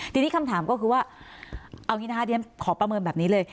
ทีนี้คำถามก็คือว่าเอาคิดหน้าเดียวขอประเมินแบบนี้เลย